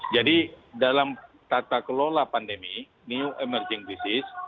jadi dalam tata kelola pandemi new emerging disease